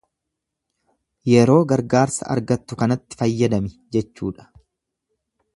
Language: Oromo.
Yeroo gargaarsa argattu kanatti fayyadami jechuudha.